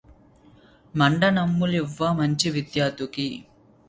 మండనమ్ములివ్వి మంచి విద్యార్థికి